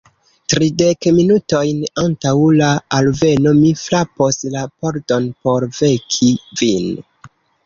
Tridek minutojn antaŭ la alveno mi frapos la pordon por veki vin.